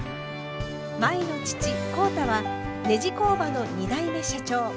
舞の父浩太はネジ工場の２代目社長。